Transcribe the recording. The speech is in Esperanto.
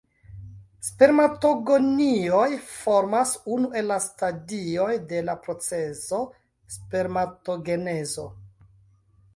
Spermatogonioj formas unu el la stadioj de la procezo spermatogenezo.